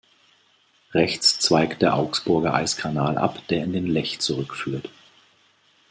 Rechts zweigt der Augsburger Eiskanal ab, der in den Lech zurückführt.